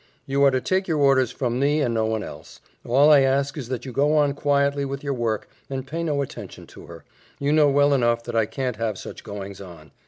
"You are to take your orders from me and no one else. All I ask is that you go on quietly with your work and pay no attention to her. You know well enough that I can't have such goings on.